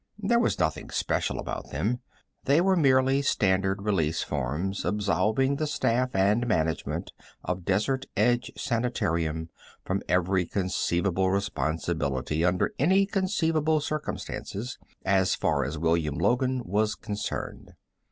There was nothing special about them; they were merely standard release forms, absolving the staff and management of Desert Edge Sanitarium from every conceivable responsibility under any conceivable circumstances, as far as William Logan was concerned.